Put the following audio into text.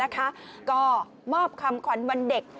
ก็มอบคำขวัญวันเด็ก